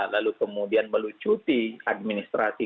lalu kemudian melucuti administrasi